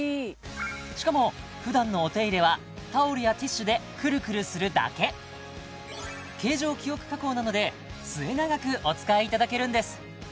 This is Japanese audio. しかも普段のお手入れはタオルやティッシュでくるくるするだけ形状記憶加工なので末永くお使いいただけるんです